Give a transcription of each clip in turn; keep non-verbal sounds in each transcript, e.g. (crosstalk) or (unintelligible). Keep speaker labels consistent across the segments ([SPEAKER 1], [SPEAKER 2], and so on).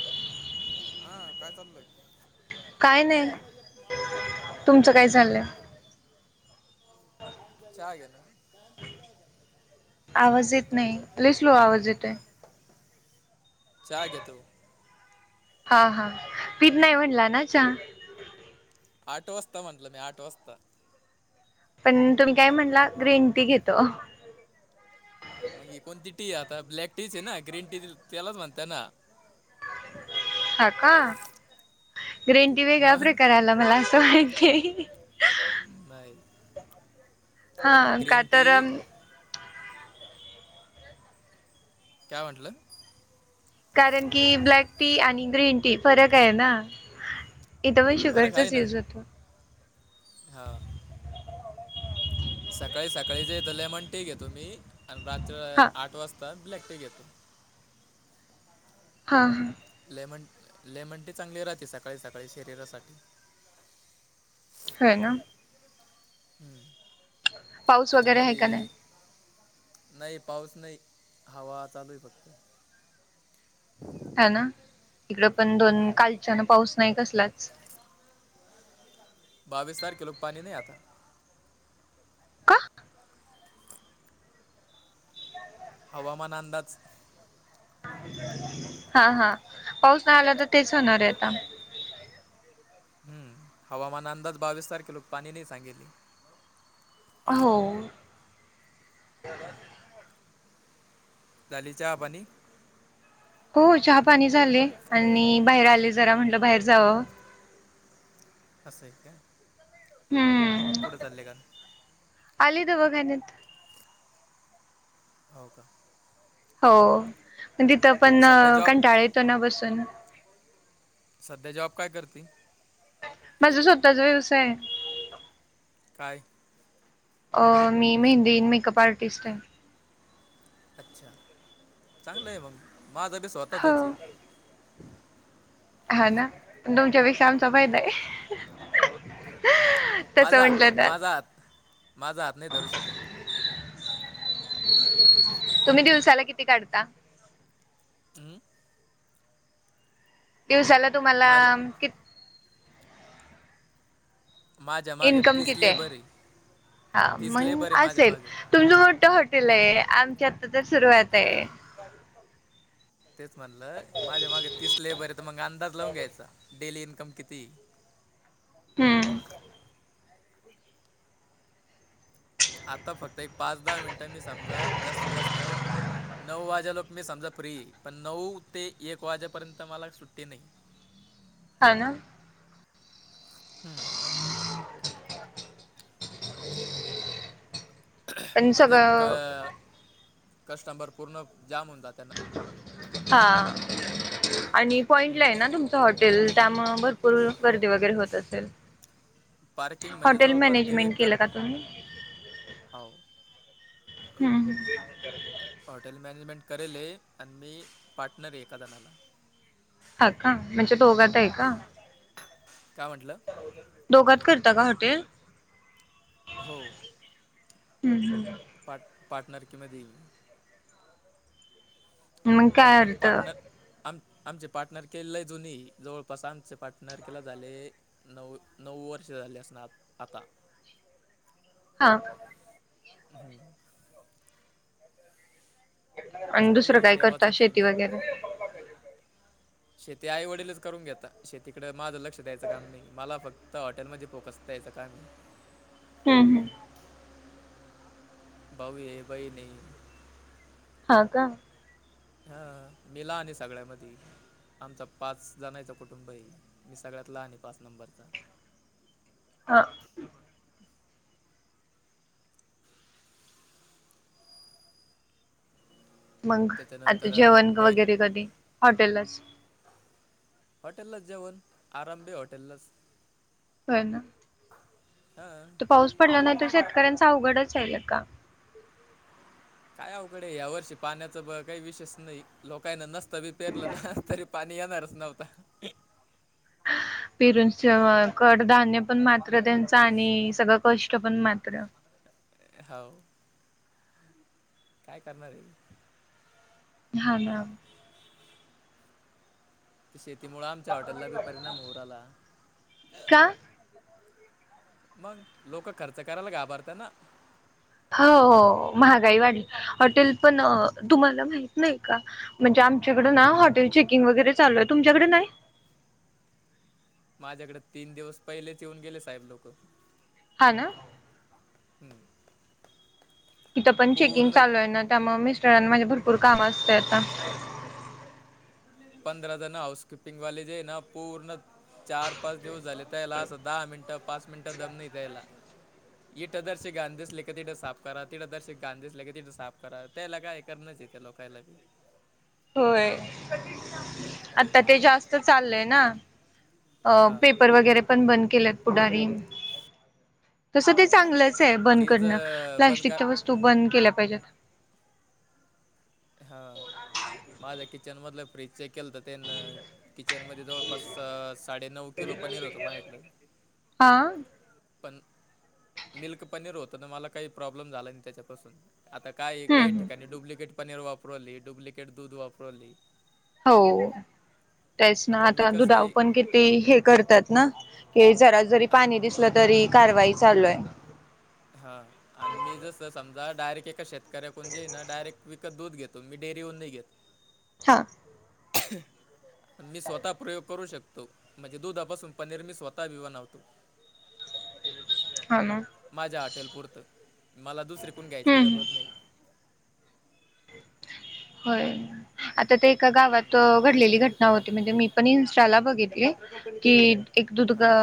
[SPEAKER 1] (inaudible) हा काय चाललय?
[SPEAKER 2] काय नाही
[SPEAKER 1] अरे भाजे माणूस ठेवत एक दोन
[SPEAKER 2] तुमचं
[SPEAKER 1] दिवस
[SPEAKER 2] काय
[SPEAKER 1] तुम्हाला
[SPEAKER 2] चाललंय
[SPEAKER 1] सांगला (inaudible) झालं का चाय घेण (unintelligible)
[SPEAKER 2] (inaudible) आवाज येत नाही रिसिव आवाज येत आहे.
[SPEAKER 1] (inaudible) चा घेतोय,
[SPEAKER 2] हा हा, पीठ नाही म्हणला ना च
[SPEAKER 1] आटो असता म्हटलं मी आटो असता.
[SPEAKER 2] पण तुम्ही काय म्हणला ग्रीनटी घेतो.
[SPEAKER 1] मग कोणती टी आता ब्लॅक टीच आहे, ना ग्रीन टी त्यालाच म्हणतय ना
[SPEAKER 2] हा का. ग्रेंटी वेगळा
[SPEAKER 1] मग
[SPEAKER 2] प्र करायला मला असं वाटते.
[SPEAKER 1] नाही
[SPEAKER 2] (unintelligible) ह
[SPEAKER 1] ग्रीन टी
[SPEAKER 2] कातारम.
[SPEAKER 1] का म्हणटलं,
[SPEAKER 2] कारण की ब्लॅक टी आणि ग्रीन टी फरक आहे ना. इथ वैशु शुगरचाच यूज होतो.
[SPEAKER 1] ह. (unintelligible) सकाळी सकाळी जे लेमन टी घेतो मी, आणि रात्र
[SPEAKER 2] हा
[SPEAKER 1] आठ वाजता ब्लॅक टी घेतो.
[SPEAKER 2] हां.
[SPEAKER 1] लेमन लेमनटी चांगली राहते सकाळी सकाळी शरीरासाठी
[SPEAKER 2] हो ना,
[SPEAKER 1] (unintelligible)
[SPEAKER 2] पाऊस वगैरे आहे का
[SPEAKER 1] त्याच्यामध्ये
[SPEAKER 2] नाही
[SPEAKER 1] नाही पाऊस नाह, हवा चालू आहे फक्त
[SPEAKER 2] ह ना, इकड पण दोन
[SPEAKER 1] हम्म.
[SPEAKER 2] कालच्या ना पाऊस नाही कसलाच
[SPEAKER 1] बावीस हजार कलोक पाणी नाही आता
[SPEAKER 2] का? (unintelligible)
[SPEAKER 1] हवामान अंदाज
[SPEAKER 2] (inaudible) हा हा, पाऊस नाही आला तर तेच होणार आहे आता
[SPEAKER 1] हम् हवामान अंदाज बावीस तारखेलाोक पाणी नाही सांगेली
[SPEAKER 2] हो, (unintelligible)
[SPEAKER 1] झालीच्याहा पानी?
[SPEAKER 2] हो चहा पाणी झाले, आणि बाहेर आले जरा म्हटलं बाहेर जावं
[SPEAKER 1] कसयक
[SPEAKER 2] हम्म,
[SPEAKER 1] कुट चाल्ले का
[SPEAKER 2] आली दवाखान्यात
[SPEAKER 1] हो का,
[SPEAKER 2] हो (inaudible) तिथं पण
[SPEAKER 1] सध्या
[SPEAKER 2] काण
[SPEAKER 1] जॉब
[SPEAKER 2] टडाळ येतो ना बसून,
[SPEAKER 1] (inaudible) सध्या जॉब काय करते,
[SPEAKER 2] माझा स्वतःचा दि्यवस आहे.
[SPEAKER 1] काय
[SPEAKER 2] अ मे मे दन मेकअप आर्टस्ट आहे.
[SPEAKER 1] अच्छा (inaudible) चांगलं आहे मग माझबी
[SPEAKER 2] हो
[SPEAKER 1] स्वतःचाच हे
[SPEAKER 2] हा ना पण तुमच्यापेक्षा आमचा फायदा (unintelligible) आहे. तसं
[SPEAKER 1] माझा
[SPEAKER 2] म्हटलं तर
[SPEAKER 1] माझा (inaudible) हात माझा हात नाही धरू शकत.
[SPEAKER 2] (unintelligible) तुम्ही दिवसाला किती काढता.
[SPEAKER 1] ह,
[SPEAKER 2] दिवसाला तुम्हाला
[SPEAKER 1] माझ्या
[SPEAKER 2] क
[SPEAKER 1] माझ्या मागे
[SPEAKER 2] इन्कम
[SPEAKER 1] तीस
[SPEAKER 2] किती आहे
[SPEAKER 1] लेबर
[SPEAKER 2] (inaudible) हा
[SPEAKER 1] तीस लेबर
[SPEAKER 2] मग
[SPEAKER 1] आहे माझ्या
[SPEAKER 2] असेल.
[SPEAKER 1] मागे
[SPEAKER 2] तुमचं मोठं हॉटेल आहे आमच्या आत्ता तर सुरुवात
[SPEAKER 1] हां
[SPEAKER 2] आहे.
[SPEAKER 1] तेच म्हणलं माझ्या मागे तीस लेबर आहे तर मग अंदाज लावून घ्यायचा डेली इन्कम किती?
[SPEAKER 2] हम्म
[SPEAKER 1] आता फक्त एक पाच दहा मिनटं नी समजा जास्तीत जास्त नऊ वाजे लोक मी समजा फ्री पण नऊ ते एक वाजेपर्यंत मला सुट्टी नाही.
[SPEAKER 2] होना
[SPEAKER 1] हम्म
[SPEAKER 2] पण
[SPEAKER 1] म्हणजे
[SPEAKER 2] सगळं
[SPEAKER 1] क-कस्टबंर पूर्ण जाम होऊन जातात.
[SPEAKER 2] हा आणि पॉइंटला
[SPEAKER 1] हम्म
[SPEAKER 2] आहे ना तुमचं हॉटेल त्यामुळे भरपूर
[SPEAKER 1] हो
[SPEAKER 2] गर्दी वगैरे होत असेल.
[SPEAKER 1] पार्किंग म्हणजे
[SPEAKER 2] हॉटेल
[SPEAKER 1] जवळपास दीड
[SPEAKER 2] मॅनेजमेंट
[SPEAKER 1] एकर
[SPEAKER 2] केलं का तुम्ही?
[SPEAKER 1] हो
[SPEAKER 2] हम
[SPEAKER 1] हॉटेल मॅनेजमेंट करेलेय आहे आणि मी पार्टनर आहे एकादनाला.
[SPEAKER 2] हा का म्हणजे दोघात आहे का?
[SPEAKER 1] काय म्हटलं?
[SPEAKER 2] दोघात करता का हॉटेल?
[SPEAKER 1] हो.
[SPEAKER 2] हम्म हम्
[SPEAKER 1] पाट-पार्टनर कि मधे पण
[SPEAKER 2] काय
[SPEAKER 1] मग
[SPEAKER 2] अर्थ
[SPEAKER 1] पार्टनर- आम आमचे पार्टनर केलेय जुनी जवळपास आमचे पार्टनर केला झाले- नऊ- नऊ वर्ष झालेली असनार आता
[SPEAKER 2] हा
[SPEAKER 1] हम्म
[SPEAKER 2] आणि
[SPEAKER 1] चांगलं
[SPEAKER 2] दुसरं
[SPEAKER 1] हे
[SPEAKER 2] काय करता
[SPEAKER 1] देवाचं करन
[SPEAKER 2] शेती
[SPEAKER 1] हे.
[SPEAKER 2] वगैरे?
[SPEAKER 1] शेती आई वडीलच करून घेता शेतीकडे माझं लक्ष द्यायचं काम नाही मला फक्त फक्त हॉटेलमध्ये फोकस द्यायचा कारण
[SPEAKER 2] हम् हम्
[SPEAKER 1] भाऊ आहे बहिण हे.
[SPEAKER 2] हा का
[SPEAKER 1] हा मी लहान हाय सगळ्यामधी आमचा पाच जाणायचा कुटुंब हे मी सगळ्यात लहान आहे पाच नंबरचा.
[SPEAKER 2] हा मग आता
[SPEAKER 1] त्याच्यानंतर
[SPEAKER 2] जेवण
[SPEAKER 1] अं, बहीण
[SPEAKER 2] वगैरे कधी? हॉटेलाच
[SPEAKER 1] हॉटेललाच जेवण आरंम भी हॉटेललाच
[SPEAKER 2] होय ना
[SPEAKER 1] हा
[SPEAKER 2] तो पाऊस पडला नाही तर शेतकऱ्यांचा अवघडच आहय लेका.
[SPEAKER 1] काय अवघड हे वर्षी पाण्याच ब-काही विशेष नाही लोकांना नस त बी पेरलं ना तरी पाणी येणारच नव्हता.
[SPEAKER 2] पिरनच्या कडधान्य पण मात्र त्यांच आणि सगळ कष्ट पण मात्र.
[SPEAKER 1] हो काय करणार आहे?
[SPEAKER 2] हा ना
[SPEAKER 1] शेतीमुळे आमच्या हॉटेलला बी परिणाम होऊ राहला.
[SPEAKER 2] का?
[SPEAKER 1] मग लोक खर्च करायला घाबरतात ना.
[SPEAKER 2] हो हो हो महागाई वाढली हॉटेल पण तुम्हाला माहित नाही का म्हणजे आमच्याकडं ना, हॉटेल चेकिंग वगैरे चालू आहे. तुमच्याकडे नाही?
[SPEAKER 1] माझ्याकडे तीन दिवस पहिलेच येऊन गेले, साहेब लोकं.
[SPEAKER 2] हा ना.
[SPEAKER 1] हम्म.
[SPEAKER 2] तिथं पण चेकिंग चालू आहे ना, त्यामुळे मिस्टरांना माझ्या भरपूर काम असतय आता.
[SPEAKER 1] पंधरा जण हाऊसकीपिंगवाले, जे हे ना, पूर्ण चार पाच दिवस झाले त्याला असं दहा मिनिटं, पाच मिनिटं दम नाही द्यायला. इथं जराशी घाण दिसलं, की तिथं साफ करा. तिकड जराशी घाण दिसलं, की तिथं साफ करत त्याला काय करणंच ये, त्या लोकाला बी.
[SPEAKER 2] होय,
[SPEAKER 1] मग
[SPEAKER 2] आता ते जास्त चाललंय ना.
[SPEAKER 1] हा
[SPEAKER 2] अं, पेपर वगैरे पण बंद केलेत, पुढारी. तसं ते चांगलंच आहे.
[SPEAKER 1] मग
[SPEAKER 2] बंद
[SPEAKER 1] फ्रीज
[SPEAKER 2] करणं,
[SPEAKER 1] बंद कर
[SPEAKER 2] प्लास्टिकच्या वस्तू बंद केल्या पाहिजेत.
[SPEAKER 1] हा. माझ्या किचन मधलं फ्रीज, चेक केलं तर त्यानं किचनमध्येध्ये जवळपास स साडेनऊ किलो पनीर होतो माझ्याकड.
[SPEAKER 2] हा
[SPEAKER 1] पण मिल्क पनीर होतं ना, मला काही प्रॉब्लेम झाला नाही त्याच्यापासून. आता काय काही
[SPEAKER 2] हम्म
[SPEAKER 1] ठिकाणी. डुप्लिकेट पनीर वापरू राहले डुप्लिकेट दूध वापरू राहले.
[SPEAKER 2] हो. तेच ना,
[SPEAKER 1] मी
[SPEAKER 2] आता
[SPEAKER 1] कसं
[SPEAKER 2] दुधावर
[SPEAKER 1] आहे
[SPEAKER 2] पण किती हे करतात ना, की जरा जरी
[SPEAKER 1] आणि
[SPEAKER 2] पाणी दिसल लं तरी कारवाई चालू आहे.
[SPEAKER 1] हां. आन मी, जसं समजा, डायरेक्ट एका शेतकऱ्याकडून जे हे ना, डायरेक्ट विकत दूध घेतो. मी डेअरीहून नाही घेत.
[SPEAKER 2] हां.
[SPEAKER 1] छि, हं. मी स्वतः प्रयोग करू शकतो. म्हणजे दुधापासून पनीर मी स्वतः बी बनवतो.
[SPEAKER 2] हां, ना.
[SPEAKER 1] माझ्या हॉटेल पुरतं, मला दुसरेकडून घ्यायची
[SPEAKER 2] हम्म
[SPEAKER 1] जरूरत नाही.
[SPEAKER 2] होय. आता ते एका गावात, अं, घडलेली घटना होती. म्हणजे मी पण इन्स्टाला बघितली. कि एक दूधगा
[SPEAKER 1] हां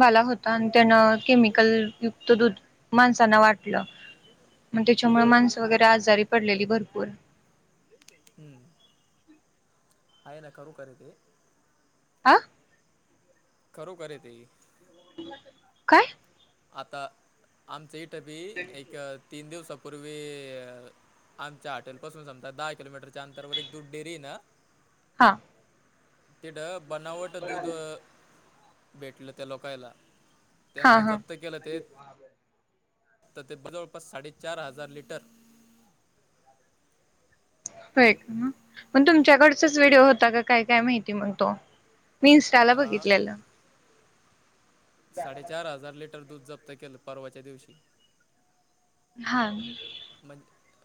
[SPEAKER 2] वाला होता. अनं त्यानं केमिकल युक्त दूध माणसांना वाटलं. मग त्याच्यामुळं
[SPEAKER 1] हां
[SPEAKER 2] माणसं वगैरे आजारी पडलेली भरपूर.
[SPEAKER 1] हम्म. हय न करू कर ते
[SPEAKER 2] आ.
[SPEAKER 1] खरू कारे ते
[SPEAKER 2] काय?
[SPEAKER 1] आता आमचा इठबी एक तीन दिवसापूर्वी आमच्या हॉटेलपासून समजा दहा किलोमीटरच्या, अंतरवर एक दुड डेरी ना,
[SPEAKER 2] हां.
[SPEAKER 1] तेिठ बनावट दूध भेटलं त्या लोकायला.
[SPEAKER 2] हा
[SPEAKER 1] त्यांन
[SPEAKER 2] हा
[SPEAKER 1] जप्त केलं ते तर ते जवळपास साडेचार हजार लिटर
[SPEAKER 2] व्हय म तुमच्याकडचाच, व्हिडिओ होता का काय काय माहिती मंग तो. मी ईन्स्टाला
[SPEAKER 1] हा
[SPEAKER 2] बघितलेलं.
[SPEAKER 1] साडेचार हजार लिटर दूध जप्त केलं परवाच्या दिवशी.
[SPEAKER 2] हा.
[SPEAKER 1] म्ह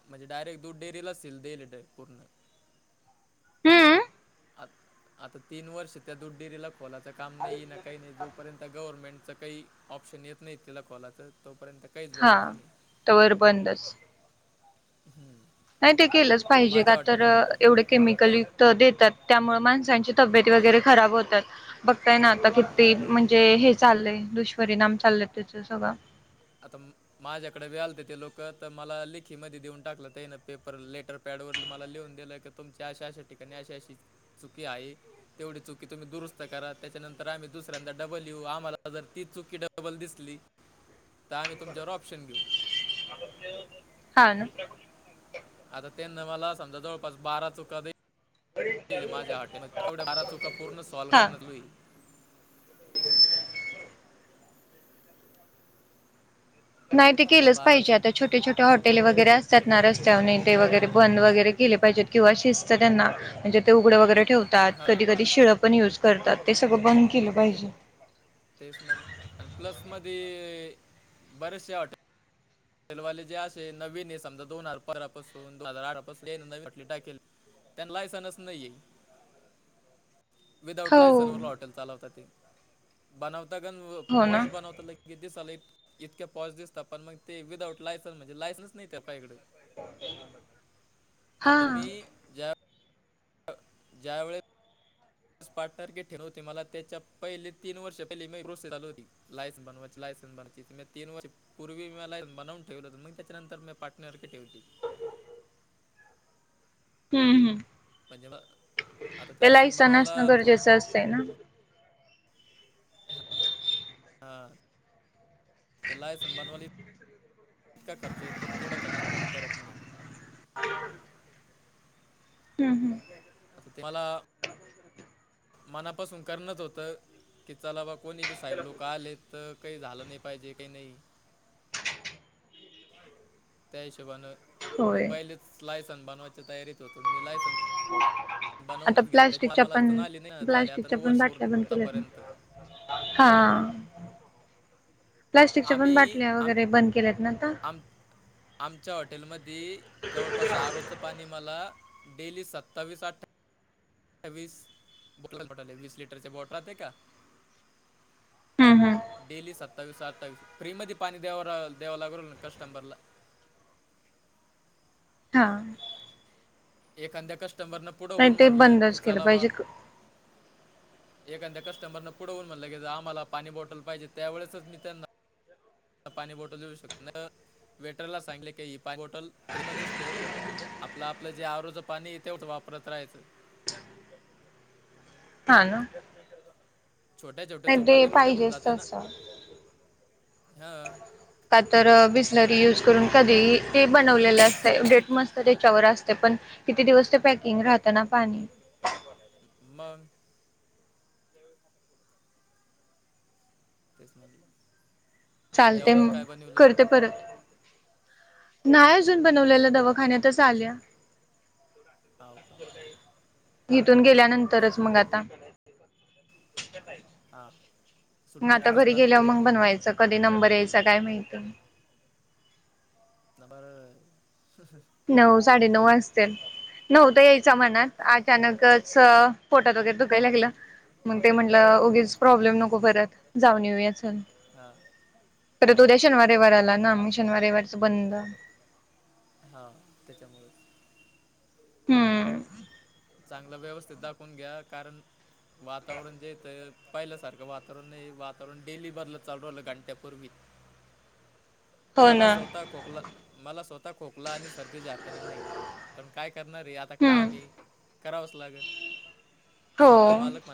[SPEAKER 1] म्हणजे डायरेक्ट दूध डेअरी ला सील देल पूर्ण
[SPEAKER 2] हम्म.
[SPEAKER 1] आत आता तीन वर्ष त्या दूध डेरीला, खोलाच काम नाही ना, काही नाही जोपर्यंत आता गव्हर्नमेंटचं काही ऑप्शन येत नाही तिला खोलाचं तोपर्यंत काहीच
[SPEAKER 2] हा
[SPEAKER 1] बोलायचं नाही
[SPEAKER 2] तवर बंदच.
[SPEAKER 1] हम्म.
[SPEAKER 2] नाही ते केलंच पाहिजे. का
[SPEAKER 1] माझ्या वाट
[SPEAKER 2] तर एवढे केमिकल युक्त देतात त्यामुळे माणसांची तब्येत वगैरे खराब होतात. फक्त है ना आता
[SPEAKER 1] हां
[SPEAKER 2] किती म्हणजे हे चाललंय दुष्परिणाम चाललंय त्याचं सगळं.
[SPEAKER 1] आता माझ्याकडे बी ते लोक तर मला लेखी मध्ये देऊन टाकलं ते ना पेपर लेटर पॅड वरल मला लिहून दिलं की तुमच्या अशा अशा ठिकाणी अशा अशी चुकी आहे. तेवढी चुकी तुम्ही दुरुस्त करा त्याच्यानंतर आम्ही दुसऱ्यांदा डबल येऊ आम्हाला जर ती चुकी डबल दिसली. त आम्ही तुमच्यावर ऑप्शन घेऊ.
[SPEAKER 2] हा ना.
[SPEAKER 1] आता त्यांना मला, समजा, जवळपास बारा चुका दे ल माझ्या, (unintelligible) तेवढं बारा चुका पूर्ण सॉल्व.
[SPEAKER 2] हा
[SPEAKER 1] (unintelligible)
[SPEAKER 2] नाही, ते
[SPEAKER 1] आता त्या
[SPEAKER 2] केलंच
[SPEAKER 1] बारा
[SPEAKER 2] पाहिजे.
[SPEAKER 1] चु
[SPEAKER 2] आता छो टे छोटे हॉटेले वगैेरे असत्यात ना, रस्त्यावरनी ते वगैरे बंद वगैरे केले पाहिजेत, किंवा शिस्त त्यांना म्हणजे ते उघडं वगैरे ठेवतात.
[SPEAKER 1] हां
[SPEAKER 2] कधी कधी शिळं पण युज करतात. ते सगळं बंद केलं पाहिजे.
[SPEAKER 1] तेच ना मग. अनं प्लस मध्ये बरेचशे हॉटे ल वाले, जे असे नवीनने, समजा, दोन हजार (unintelligible) पासून, दोन हजार अठरा पासून तेन नवीन हॉटेली टाकेल त्यांना लायसन्स नाही हे.
[SPEAKER 2] (inaudible)
[SPEAKER 1] विदाउट
[SPEAKER 2] हो
[SPEAKER 1] लायसन वाल हॉटेल चालवत ते बनवता गन व
[SPEAKER 2] हो ना
[SPEAKER 1] पॉश बनवता लई दिस इतक्याॉस दिसतात. पण मग ते विदाउट लायसन्स म्हणजे लायसन्स नाही ज्या पाही कड.
[SPEAKER 2] हा
[SPEAKER 1] आता मी ज्या ज्या वेेळे स्पाटन्गेट ठेणव होते मला त्याच्या, पहिले तीन वर्ष पहिली मी रो सेड आली होती. लायसन बनवाची लायसनस बनती मी तीन वर. पूर्वी मी मला बनवून ठेवलं होत मग त्याच्यानंतर मी पार्टनर की ठेवली.
[SPEAKER 2] हम्म हम्
[SPEAKER 1] म्हणजे मग आता
[SPEAKER 2] ते लायसन असणं
[SPEAKER 1] बनवायला थोड
[SPEAKER 2] गरजेचं असतंय ना.
[SPEAKER 1] ह, हां, ते लायसन बनवाली. इतका खर्च येतो थोडा खर्च कोणी करत नाही.
[SPEAKER 2] हम हम.
[SPEAKER 1] ते मला. मनापासून करणच होतं, की चला बा, कोणी बी साहेब लोकं आलेत तर काही झालं नाही पाहिजे, की नाही त्या हिशोबानं मी
[SPEAKER 2] होय.
[SPEAKER 1] पहिलेच लायसन बनवायच्या तयारीत होतो. अनं मी लायसन
[SPEAKER 2] आता
[SPEAKER 1] बनवूनच गेलो त्याच्यामुळे
[SPEAKER 2] प्लॅस्टिकच्या
[SPEAKER 1] मला अडचण
[SPEAKER 2] पण,
[SPEAKER 1] आली नाही ना, झाले आता
[SPEAKER 2] प्लॅस्टिकच्या
[SPEAKER 1] नऊ
[SPEAKER 2] पण
[SPEAKER 1] वर्ष पूर्ण
[SPEAKER 2] बाटल्या बंद केल्यात.
[SPEAKER 1] आतापर्यंत
[SPEAKER 2] हां, प्लॅस्टिकच्या पण
[SPEAKER 1] आम्ही
[SPEAKER 2] बाटल्या
[SPEAKER 1] आम
[SPEAKER 2] वगैरे बंद केल्यात ना, आता.
[SPEAKER 1] आम, आमच्या हॉटेलमधी जवळपास आरओच पाणी मला डेली सत्तावीस, अठ्ठा वीस बॉटल, बॉटल आहे. वीस लिटरचे बॉटल राहते का?
[SPEAKER 2] हम्म हम्म
[SPEAKER 1] डेली सत् तवीस, अठ्ठावीस फ्री मध्ये पाणी देवराल, द्यावालागलना कस्टमर ला.
[SPEAKER 2] हां.
[SPEAKER 1] एखांद्या कस्टमरनं पुढं
[SPEAKER 2] नाही
[SPEAKER 1] होऊन
[SPEAKER 2] ते
[SPEAKER 1] म्हणलं, की
[SPEAKER 2] बंदच केलं
[SPEAKER 1] चला बा
[SPEAKER 2] पाहिजे
[SPEAKER 1] एखांद्या कस्टमरन पुढं होऊन म्हणलं, की जा, आम्हाला पाणी बॉटल पाहिजे. त्यावेेळेसच मी त्यांना पाणी बॉटल देऊ शकत नाही. वेटरला सांगले, की ही पाणी बॉटल फ्रीमध्येच ठेव आपलं, आपलं जे आरओच पाणी येतेव, तेवढं वापरत राहायचं.
[SPEAKER 2] हा ना.
[SPEAKER 1] छोट्या छोट्या
[SPEAKER 2] नाही ते
[SPEAKER 1] चुकालाय मोठ्या होऊन
[SPEAKER 2] पाहिजेच
[SPEAKER 1] जात ना,
[SPEAKER 2] तसं.
[SPEAKER 1] हा.
[SPEAKER 2] का तर बिसलरी यूज करून कधीही ते बनवलेलं असत डेट मस्त त्याच्यावर अस त पण किती दिवस ते पॅकिंग राहतं ना पाणी.
[SPEAKER 1] मग. तेच म्हणलं.
[SPEAKER 2] चालते
[SPEAKER 1] जेवणात
[SPEAKER 2] म
[SPEAKER 1] काय बनवलं
[SPEAKER 2] करते परत. नाही अजून बनवलेल दवाखान्यातच आल्या.
[SPEAKER 1] हाव का?
[SPEAKER 2] इिथून गेल्यानंतरच मग
[SPEAKER 1] चालेल
[SPEAKER 2] आता.
[SPEAKER 1] हा.
[SPEAKER 2] म आता घरी गेल्यावर मग बनवायचं कधी नंबर यायचा काय माहिती.
[SPEAKER 1] (unintelligible) बर.
[SPEAKER 2] नऊ साडेनऊ वाजत्यात नव्हतं यायच्या मनात अचानकच स पोटात वगैरे दुखाय लागलं. मग ते म्हटलं उगेच प्रॉब्लेम नको परत जाऊन येऊया चल.
[SPEAKER 1] हां
[SPEAKER 2] परत
[SPEAKER 1] हो
[SPEAKER 2] उद्या
[SPEAKER 1] का
[SPEAKER 2] शनिवार रविववर आला ना म शनिवार रविवारच बंद.
[SPEAKER 1] हा त्याच्यामुळेच.
[SPEAKER 2] हम्म.
[SPEAKER 1] चांगलं व्यवस्थित दाखवून घ्या कारण वातावरण देत पाहिलं सारखं वातावरण नाही वातावरण डेली बदलत चालू रालं घंट्यापूर्वी.
[SPEAKER 2] (inaudible)
[SPEAKER 1] मला स्वतः खोकला मला स्वतः खोकला आणि सर्दी जाताना नाही पण काय करणार आहे आता
[SPEAKER 2] हम्म
[SPEAKER 1] काम आहे. करावच लाग, स्वतः
[SPEAKER 2] हो
[SPEAKER 1] मालक